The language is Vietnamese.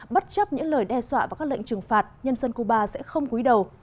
bất chấp những lời đe dọa và các lệnh trừng phạt nhân dân cuba sẽ không quý đầu